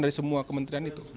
dari semua kementerian itu